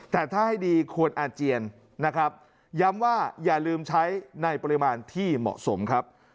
แต่ถ้าให้ดีควรอาเจียนนะครับย้ำว่าอย่าลืมใช้ในปริมาณที่เหมาะสมครับ